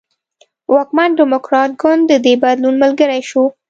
واکمن ډیموکراټ ګوند د دې بدلون ملګری شو.